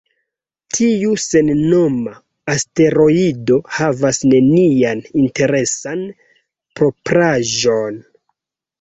Tiu sennoma asteroido havas nenian interesan propraĵon.